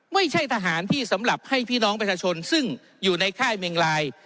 ไม่ใช่ทหารที่สำหรับให้พี่น้องประชาชนซึ่งอยู่ในค่ายเมงลาย